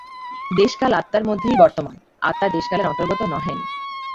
দেশ-কাল আত্মার মধ্যেই বর্তমান, আত্মা দেশকালের অন্তর্গত নহেন।